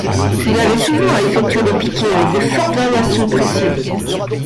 Ils avaient souvent à effectuer des piqués avec de fortes variations de pression.